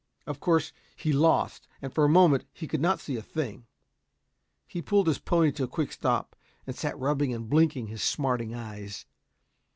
Of course he lost, and, for a moment, he could not see a thing. He pulled his pony to a quick stop and sat rubbing and blinking his smarting eyes.